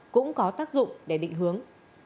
cũng có tác dụng để định hướng